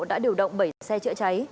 đã điều động bảy xe chữa cháy